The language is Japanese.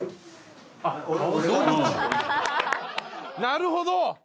なるほど。